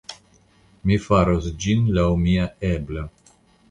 Mi faros ĝin laŭ mia eblo.